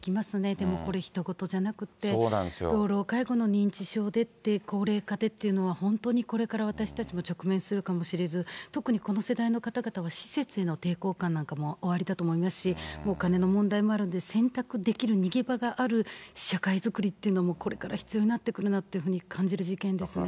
でもこれ、ひと事じゃなくって、老々介護の認知症で、高齢化でっていうのは、本当にこれから私たちも、直面するかもしれず、特にこの世代の方々は施設への抵抗感なんかもおありだと思いますし、お金の問題もあるので、選択できる逃げ場がある社会作りっていうのも、これから必要になってくるなっていうふうに感じる事件ですね。